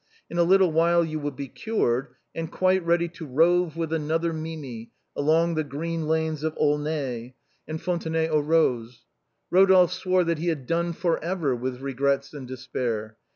In a little while you will be cured, and quite ready to rove with another Mimi along the green lanes of Aulnay and Fontenay aux Eoses." Eodolphe swore that he had for ever done with regrets and despair.